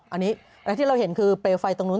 อันนี้ที่เราเห็นคือเปลวไฟตรงนู้น